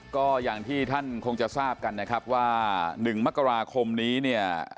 ก็อย่างที่ท่านคงจะทราบกันนะครับว่า๑มกราคมนี้เนี่ย